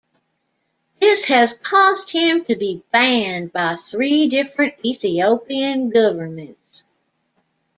This has caused him to be banned by three different Ethiopian governments.